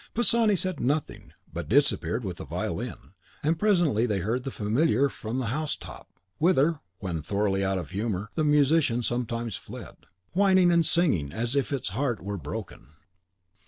Pisani said nothing, but disappeared with the violin; and presently they heard the Familiar from the house top (whither, when thoroughly out of humour, the musician sometimes fled), whining and sighing as if its heart were broken.